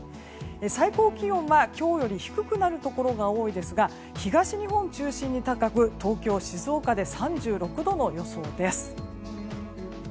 最高気温は今日より低くなるところが多いですが東日本を中心に高く東京、静岡で３６度の予想です。